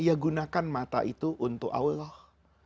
ya gunakan mata itu untuk allah